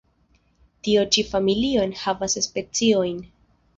Tio ĉi familio enhavas speciojn.